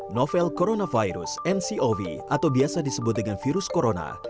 novel coronavirus ncov atau biasa disebut dengan virus corona